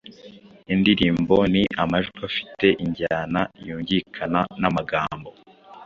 Indirimbo ni amajwi afite injyana yungikana n’amagambo.